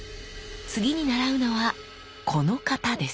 次に習うのはこの形です。